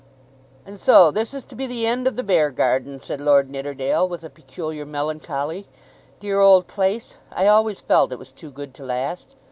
"And so this is to be the end of the Beargarden," said Lord Nidderdale with a peculiar melancholy. "Dear old place! I always felt it was too good to last.